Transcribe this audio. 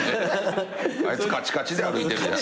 あいつカチカチで歩いてるやん。